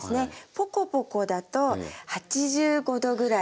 ポコポコだと８５℃ぐらい。